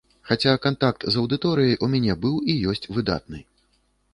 Хаця, кантакт з аўдыторыяй у мяне быў і ёсць выдатны.